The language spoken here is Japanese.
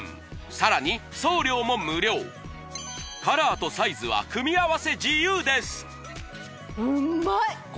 さらに送料も無料カラーとサイズは組み合わせ自由です